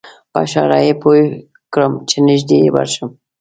په اشاره یې پوی کړم چې نږدې ورشم.